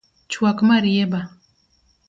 Chuak marieba